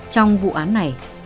trong vụ án này